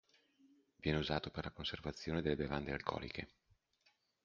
Viene usato per la conservazione delle bevande alcoliche.